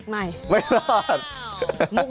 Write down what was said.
ไม่ไม่รอด